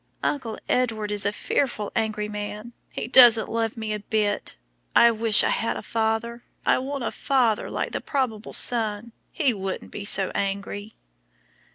"Uncle Edward is a fearful angry man; he doesn't love me a bit. I wish I had a father! I want a father like the probable son; he wouldn't be so angry!"